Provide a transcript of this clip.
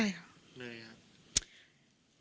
เนยครับ